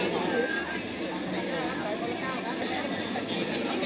เราเลยกันเผาสูญศนีดก็ต่อครับ